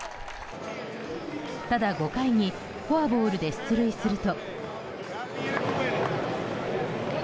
ただ、５回にフォアボールで出塁すると。